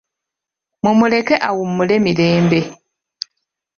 Mumuleke awummule mirembe.